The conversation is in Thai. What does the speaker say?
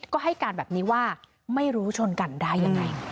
ก็ให้การแบบนี้ว่าไม่รู้ชนกันได้ยังไง